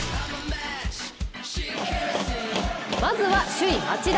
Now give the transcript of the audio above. まずは、首位・町田。